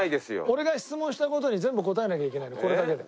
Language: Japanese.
俺が質問した事に全部答えなきゃいけないのこれだけで。